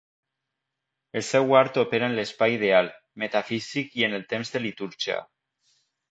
El seu art opera en l'espai ideal, metafísic i en el temps de litúrgia.